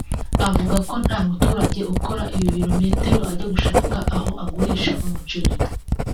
Avuga ko nta muturage ukora ibi bilometero ajya gushaka aho agurisha umuceri